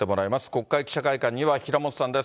国会記者会館には平本さんです。